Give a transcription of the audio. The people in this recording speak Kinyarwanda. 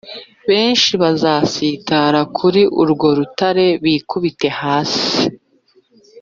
Benshi bazasitara kuri urwo rutare bikubite hasi,